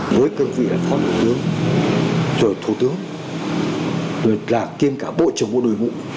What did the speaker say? với cơ vị là phó thủ tướng rồi thủ tướng rồi là kiêm cả bộ trưởng bộ đội ngũ